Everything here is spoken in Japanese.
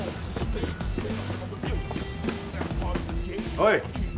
おい。